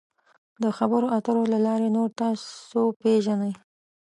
د خبرو اترو له لارې نور تاسو پیژني.